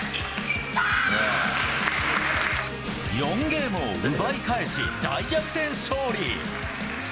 ４ゲームを奪い返し、大逆転勝利。